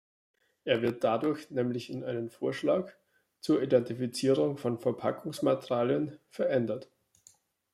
Er wird dadurch nämlich in einen Vorschlag zur Identifizierung von Verpackungsmaterialien verändert.